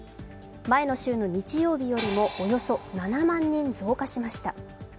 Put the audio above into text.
前の週の日曜日よりもおよそ７万人増加しました。